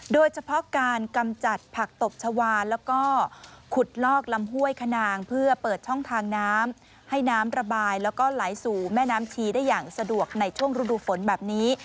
โดยเฉพาะการกำจัดผักตบชาวาแล้วก็ขุดลอกลำห้วยขนางเพื่อเปิดช่องทางน้ำให้น้ำระบายแล้วก็ไหลสู่แม่น้ำชีได้อย่างสะดวกในช่วงฤดูฝนแบบนี้